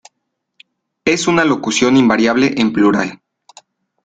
Es una locución invariable en plural.